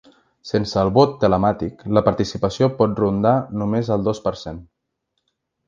Sense el vot telemàtic, la participació pot rondar només el dos per cent.